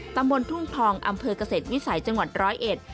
ตำบลทุ่งทองอำเภอกเกษตรวิสัยจังหวัด๑๐๑